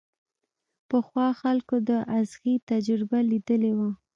پخوا خلکو د ازغي تجربه ليدلې وه.